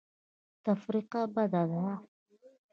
تفرقه بده ده.